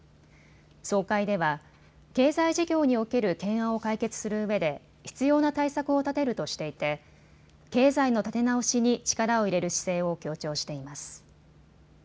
総会では経済事業における懸案を解決するうえで必要な対策を立てるとしていて経済の立て直しに力を入れる姿勢を強調しています。